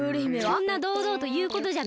そんなどうどうということじゃない！